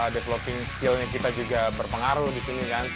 developing skillnya kita juga berpengaruh di sini kan